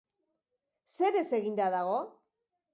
Zerez eginda dago?